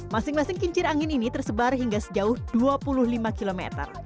masing masing kincir angin ini tersebar hingga sejauh dua puluh lima km